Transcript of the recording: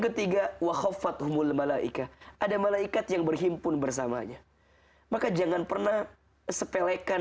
ketiga wakhofathumul malaika ada malaikat yang berhimpun bersamanya maka jangan pernah sepelekan